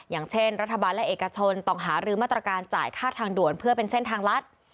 อย่างเช่นรัฐบาลและเอกชนต้องหารือมาตรการจ่ายค่าทางด่วนเพื่อเป็นเส้นทางรัฐ